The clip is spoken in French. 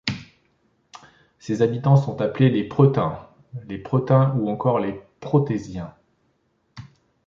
Ses habitants sont appelés les Preutains, les Preutins ou encore les Pétrosiens.